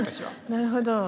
なるほど。